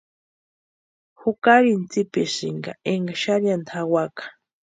Jukarini tsipisïnka énka xarhiani jawaka.